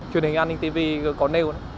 truyền hình an ninh tivi có nêu